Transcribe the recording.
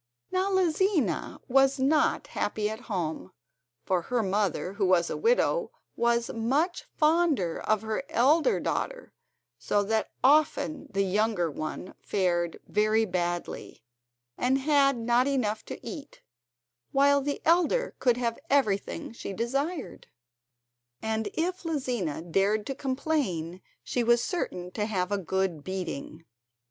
Now Lizina was not happy at home, for her mother, who was a widow, was much fonder of her elder daughter; so that often the younger one fared very badly, and had not enough to eat, while the elder could have everything she desired, and if Lizina dared to complain she was certain to have a good beating.